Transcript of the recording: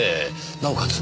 なおかつ